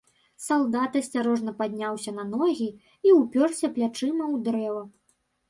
Салдат асцярожна падняўся на ногі і ўпёрся плячыма ў дрэва.